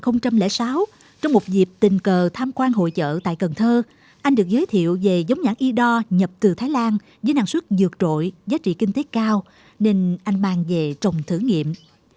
năm hai nghìn sáu trong một dịp tình cờ tham quan hội chợ tại cần thơ anh được giới thiệu về giống nhãn y đo nhập từ thái lan với năng suất dược trội giá trị kinh tế cao nên anh mang về trồng thử nghiệm